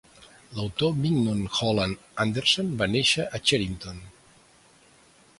L'autor Mignon Holland Anderson va néixer a Cheriton.